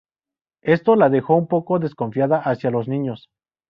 Esto la dejó un poco desconfiada hacia los niños.